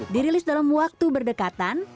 dirilis dalam waktu berdekatan